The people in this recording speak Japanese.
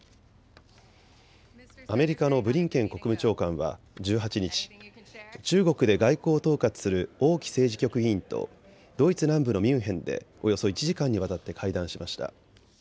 アメリカのブリンケン国務長官は１８日、中国で外交を統括する王毅政治局委員とドイツ南部のミュンヘンでおよそ１時間にわたって会談しました。